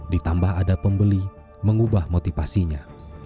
ditambah ada pembeli mengubah motivasinya